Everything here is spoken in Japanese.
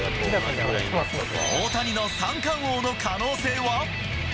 大谷の三冠王の可能性は？